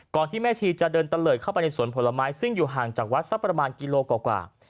ที่แม่ชีจะเดินตะเลิดเข้าไปในสวนผลไม้ซึ่งอยู่ห่างจากวัดสักประมาณกิโลกว่า